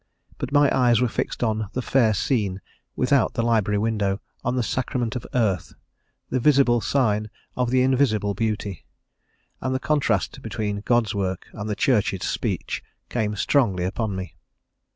But my eyes were fixed on the fair scene without the library window, on the sacrament of earth, the visible sign of the invisible beauty, and the contrast between God's works and the Church's speech came strongly upon me.